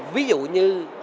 ví dụ như